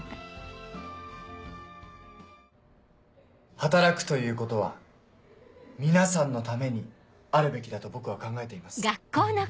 働くということは皆さんのためにあるべきだと僕は考えています。